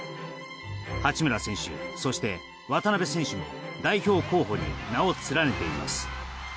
八村選手、そして渡邊選手も代表候補に名を連ねています。